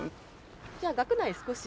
じゃあ学内少し。